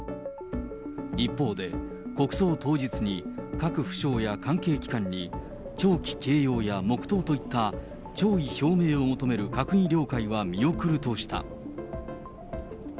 一方で、国葬当日に各府省や関係機関に、弔旗掲揚や黙とうといった、弔意表明を求める閣議了解は見送るとした。